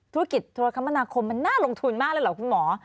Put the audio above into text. ธุรกิจโทรคมนาคมมันน่าลงทุนมากเลยเหรอคุณหมอ